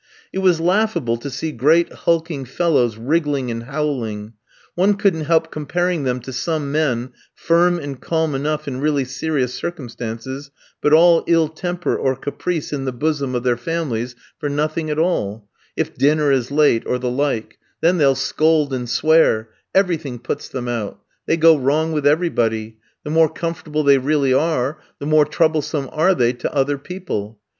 It was laughable to see great, hulking fellows wriggling and howling. One couldn't help comparing them to some men, firm and calm enough in really serious circumstances, but all ill temper or caprice in the bosom of their families for nothing at all; if dinner is late or the like, then they'll scold and swear; everything puts them out; they go wrong with everybody; the more comfortable they really are, the more troublesome are they to other people.